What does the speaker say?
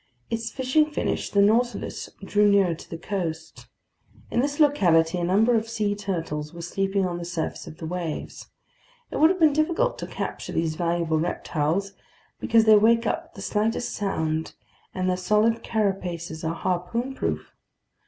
Its fishing finished, the Nautilus drew nearer to the coast. In this locality a number of sea turtles were sleeping on the surface of the waves. It would have been difficult to capture these valuable reptiles, because they wake up at the slightest sound, and their solid carapaces are harpoon proof.